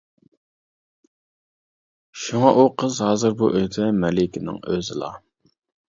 شۇڭا ئۇ قىز ھازىر بۇ ئۆيدە مەلىكىنىڭ ئۆزىلا.